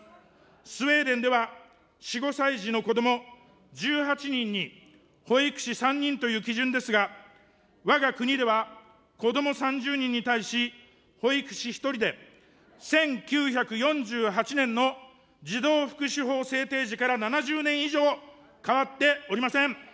スウェーデンでは４、５歳児の子ども１８人に保育士３人という基準ですが、わが国では子ども３０人に対し保育士１人で、１９４８年の児童福祉法制定時から７０年以上変わっておりません。